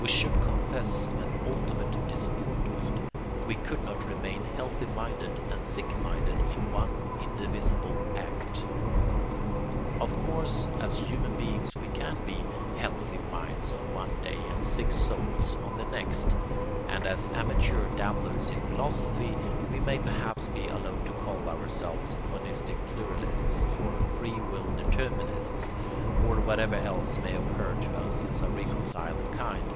We should confess an ultimate disappointment: we could not remain healthy minded and sick minded in one indivisible act. Of course as human beings we can be healthy minds on one day and sick souls on the next; and as amateur dabblers in philosophy we may perhaps be allowed to call ourselves monistic pluralists, or free will determinists, or whatever else may occur to us of a reconciling kind.